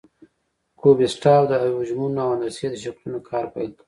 کوبیسټاو د حجمونو او هندسي شکلونو کار پیل کړ.